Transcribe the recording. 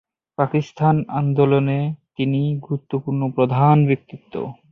পাকিস্তান আন্দোলনে তিনি গুরুত্বপূর্ণ প্রধান ব্যক্তিত্ব।